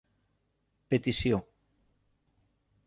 Petició: